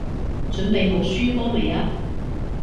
準備好輸波未啊？